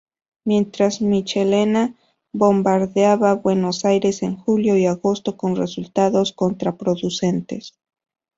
Mientras, Michelena bombardeaba Buenos Aires en julio y agosto con resultados contraproducentes.